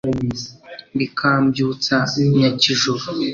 bikambyutsa nyakijoro